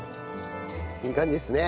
いい感じですね。